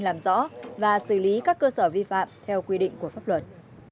làm rõ và xử lý các cơ sở vi phạm theo quy định của pháp luật